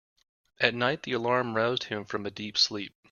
At night the alarm roused him from a deep sleep.